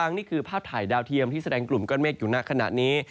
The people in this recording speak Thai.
นี่คือภาพถ่ายดาวเทียมที่แสดงว่้ากรุ๋มกล้อนเมฆอยู่หน้าขนาดนี้